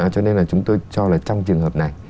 cho nên là chúng tôi cho là trong trường hợp này